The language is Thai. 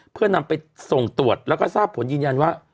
เพื่อนำไปส่งตรวจแล้วก็ทราบผลยืนยันว่า